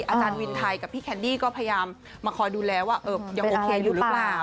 อาจารย์วินไทยกับพี่แคนดี้ก็พยายามมาคอยดูแลว่ายังโอเคอยู่หรือเปล่า